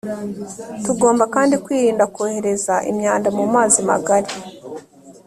tugomba kandi kwirinda kohereza imyanda mu mazi magari